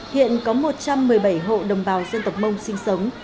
hiện có một trăm một mươi bảy hộ đồng bào dân tộc mông sinh sống